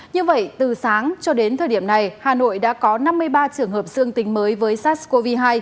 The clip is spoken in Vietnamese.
như vậy từ sáng cho đến thời điểm này hà nội đã có năm mươi ba trường hợp dương tính mới với sars cov hai